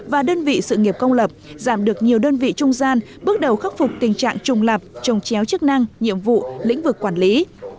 và đơn vị sự nghiệp công lập giảm được nhiều đơn vị trung gian bước đầu khắc phục tình trạng trùng lập trồng chéo chức năng nhiệm vụ lĩnh vực quản lý